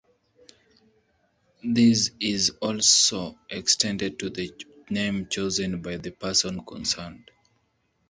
This is also extended to the name chosen by the person concerned.